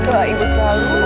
tuhan ibu selalu